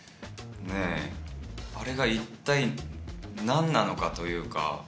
あれが一体何なのかというか。